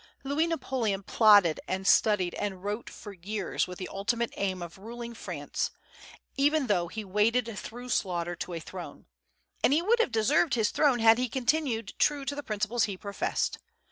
Louis Napoleon plodded and studied and wrote for years with the ultimate aim of ruling France, even though he "waded through slaughter to a throne;" and he would have deserved his throne had he continued true to the principles he professed.